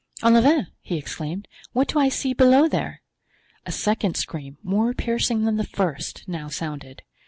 "Olivain!" he exclaimed, "what do I see below there?" A second scream, more piercing than the first, now sounded.